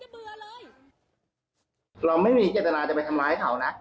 เฮ้ยยังไม่ได้เบื่อเลย